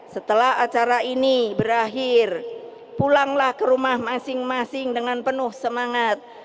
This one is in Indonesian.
setelah acara ini berakhir pulanglah ke rumah masing masing dengan penuh semangat